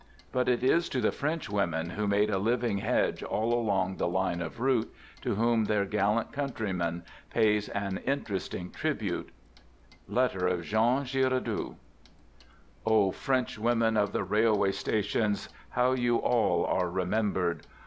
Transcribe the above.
But it is to the French women, who made a living hedge all along the line of route, to whom their gallant countryman pays an interesting trib ute: (Letter of Jean r Giraudoux) O French women of the railway stations, how you all are remembered!